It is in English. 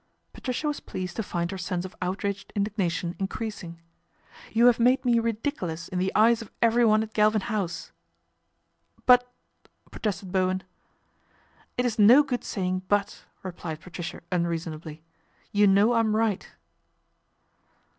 Patricia was pleased to find her sense of outraged indignation increasing. " You have made me ridiculous in the eyes of everyone at Calvin House." " But," protested Bowen. " It's no good saying ' but/ " replied Patricia unreasonably, " you know I'm right."